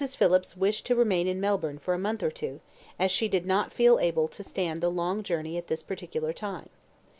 Phillips wished to remain in Melbourne for a month or two, as she did not feel able to stand the long land journey at this particular time.